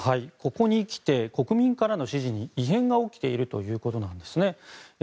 ここにきて国民からの支持に異変が起きているということです。